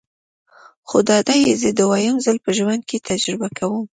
خو دادی زه یې دویم ځل په ژوند کې تجربه کوم.